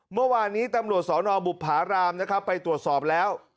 เมื่อวานี้ตำรวจสอนบุภารามไปตรวจสอบแล้ว